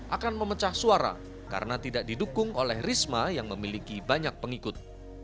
akan memecah suara karena tidak didukung oleh risma yang memiliki banyak pengikut